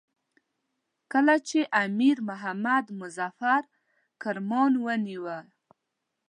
کله چې امیر محمد مظفر کرمان ونیوی.